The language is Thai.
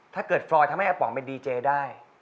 ถ้าเกิดฟรอยทำให้อาป๋องเป็นดีเจย์ได้